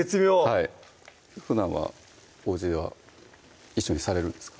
はいふだんはおうちでは一緒にされるんですか？